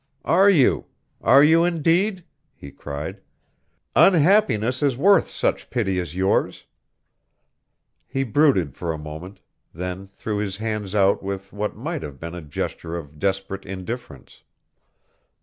"Are you? Are you, indeed?" he cried. "Unhappiness is worth such pity as yours." He brooded for a moment, then threw his hands out with what might have been a gesture of desperate indifference.